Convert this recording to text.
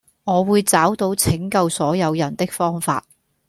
我會找到拯救所有人的方法